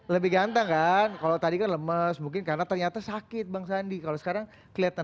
lebih ganteng kan kalau tadi kan lemes mungkin karena ternyata sakit bang sandi kalau sekarang kelihatan